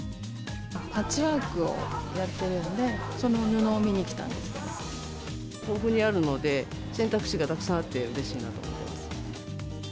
パッチワークをやってるんで、豊富にあるので、選択肢がたくさんあってうれしいなと思います。